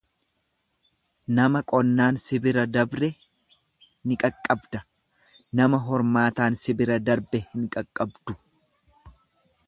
Nama qonnaan si bira dabre ni qaqqabda, nama hormaataan si bira dabre hin qaqqabdu.